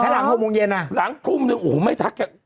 จริงเหรอถ้าหลังห้วงเย็นอ่ะหลังพรุ่งหนึ่งโอ้โหไม่ทักแก